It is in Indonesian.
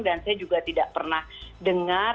dan saya juga tidak pernah dengar